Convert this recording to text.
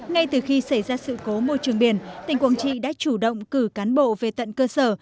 ngay từ khi xảy ra sự cố môi trường biển tỉnh quảng trị đã chủ động cử cán bộ về tận cơ sở